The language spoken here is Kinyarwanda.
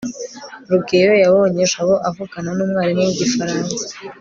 rugeyo yabonye jabo avugana numwarimu wigifaransa